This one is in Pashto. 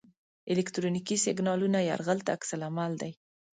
الکترونیکي سیګنالونو یرغل ته عکس العمل دی.